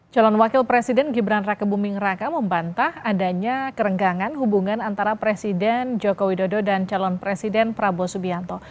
calon wakil presiden gibran rakebuming raka membantah adanya kerenggangan hubungan antara presiden joko widodo dan calon presiden prabowo subianto